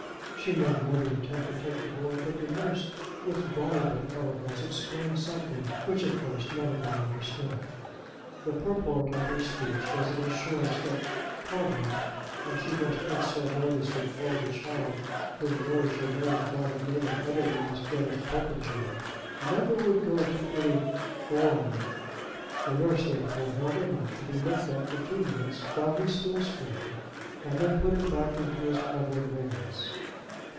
She made another attempt to take the boy; but the nurse with voluble eloquence explained something which of course none of them understood. The purport of her speech was an assurance that "Tavo," as she most unceremoniously called the child whom no Germain thought of naming otherwise than as Popenjoy, never would go to any "foreigner." The nurse therefore held him up to be looked at for two minutes while he still screamed, and then put him back into his covering raiments.